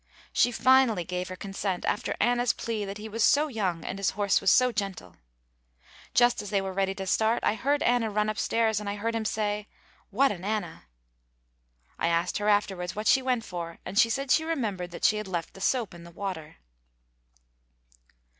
She finally gave her consent, after Anna's plea that he was so young and his horse was so gentle. Just as they were ready to start, I heard Anna run upstairs and I heard him say, "What an Anna!" I asked her afterwards what she went for and she said she remembered that she had left the soap in the water.